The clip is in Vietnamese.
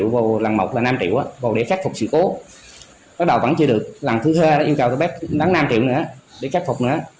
bắt đầu vẫn chưa được lần thứ hai yêu cầu tôi đánh năm triệu nữa để khép phục nữa